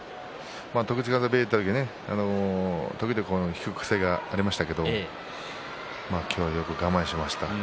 時津風部屋に行った時時々、引く癖がありましたけれど今日はよく我慢しました。